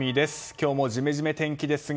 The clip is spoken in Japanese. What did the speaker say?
今日もジメジメ天気ですが